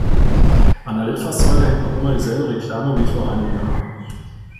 An der Litfaßsäule hängt noch immer die selbe Reklame wie vor einem Jahr.